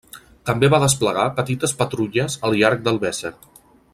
També va desplegar petites patrulles al llarg del Weser.